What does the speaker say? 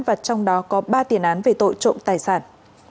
và trong đó có ba tiền án về tội trộm tài sản